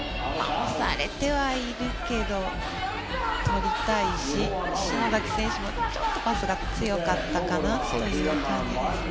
押されてはいるけど取りたい篠崎選手もちょっとパスが強かったかなという感じです。